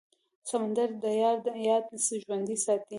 سندره د یار یاد ژوندی ساتي